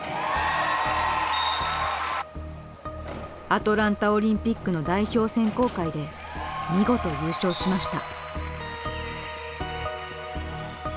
アトランタオリンピックの代表選考会で見事優勝しました。